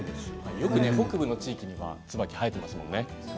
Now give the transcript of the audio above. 北部の地域にはツバキが生えていますよね。